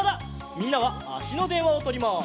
みんなはあしのでんわをとります。